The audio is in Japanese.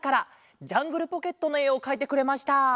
「ジャングルポケット」のえをかいてくれました。